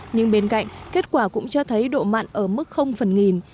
nhưng bên cạnh kết quả cũng cho thấy độ mặn ở mức phần nghìn